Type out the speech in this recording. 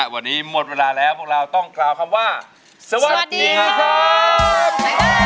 วันนี้หมดเวลาแล้วพวกเราต้องกล่าวคำว่าสวัสดีครับ